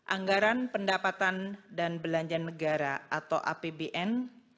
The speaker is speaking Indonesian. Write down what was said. anggaran pendapatan dan belanja negara atau apbn